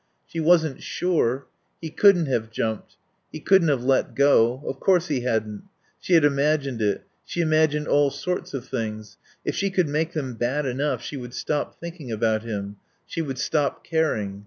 She wasn't sure. He couldn't have jumped. He couldn't have let go. Of course he hadn't. She had imagined it. She imagined all sorts of things. If she could make them bad enough she would stop thinking about him; she would stop caring.